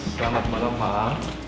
selamat malam pak al